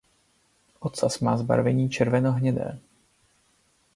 Ocas má zbarvení červenohnědé.